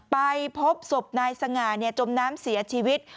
ไปพบศพนายสง่าจมน้ำเสียชีวิต